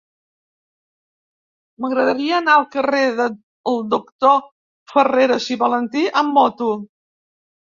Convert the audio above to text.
M'agradaria anar al carrer del Doctor Farreras i Valentí amb moto.